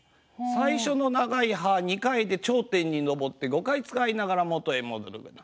最初の長い「はー」２回で頂点に上って５回使いながら元へ戻るような。